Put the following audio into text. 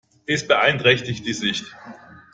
Es beeinträchtigt die Sicht.